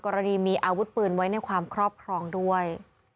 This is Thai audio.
กรณีมีอาวุธปืนไว้ในความครอบครองด้วย